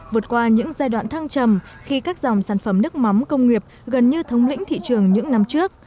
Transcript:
vượt qua những giai đoạn thăng trầm khi các dòng sản phẩm nước mắm công nghiệp gần như thống lĩnh thị trường những năm trước